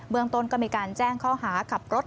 เมืองต้นก็มีการแจ้งข้อหาขับรถ